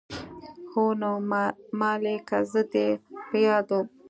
هو نو مالې که زه دې په ياده وم.